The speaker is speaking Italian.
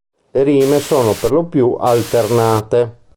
Le rime sono perlopiù alternate.